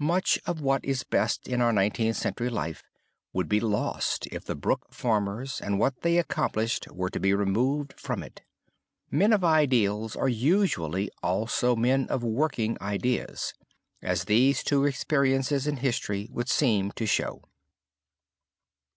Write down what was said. Much of what is best in our Nineteenth Century life would be lost if the Brook farmers and what they accomplished were to be removed from it. Men of ideals are usually also men of working ideas, as these two experiences in history would seem to show.